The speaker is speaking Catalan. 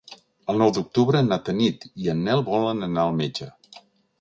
El nou d'octubre na Tanit i en Nel volen anar al metge.